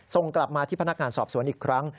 ส่งกลับมาที่พนักงานสอบสวนอีกครั้ง